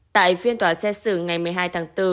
tại phiên tòa xét xử ngày một mươi hai tháng bốn